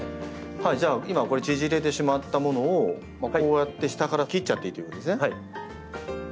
じゃあ今これ縮れてしまったものをこうやって下から切っちゃっていいということですね。